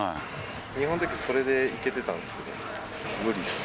日本のってそれでいけてたんですけど、無理ですね。